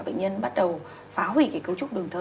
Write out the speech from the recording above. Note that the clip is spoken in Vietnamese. bệnh nhân bắt đầu phá hủy cái cấu trúc đường thở